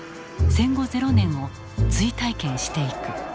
戦後ゼロ年を追体験していく。